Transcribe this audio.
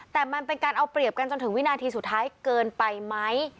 แต่มันเป็นการเอาเปรียบกันจนถึงวินาทีสุดท้ายเกินไปไหม